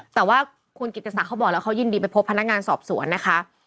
แต่ว่าคุณกิตศักดิเขาบอกแล้วเขายินดีไปพบพนักงานสอบสวนนะคะ